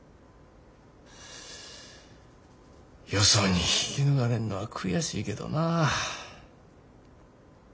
よそに引き抜かれんのは悔しいけどな。